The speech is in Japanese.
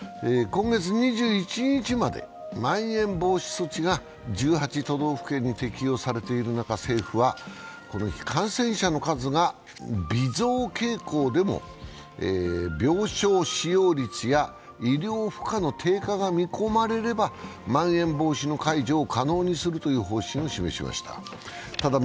今月２１日までまん延防止措置が１８都道府県に適用されている中、政府は、この日感染者の数が微増傾向でも病床使用率や医療負荷の低下が見込まれればまん延防止の解除を可能にするという方針を示しました。